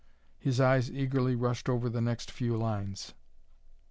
His eyes eagerly rushed over the next few lines.